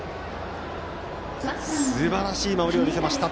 すばらしい守りを見せました。